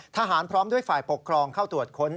พร้อมด้วยฝ่ายปกครองเข้าตรวจค้น